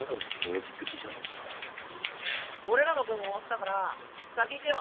俺らの分終わったから先行くよ。